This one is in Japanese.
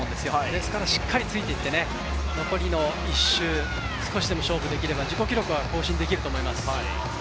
ですからしっかりついていって、残りの１周、少しでも勝負できれば、自己記録は更新できると思います。